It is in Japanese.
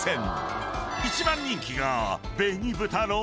［一番人気が］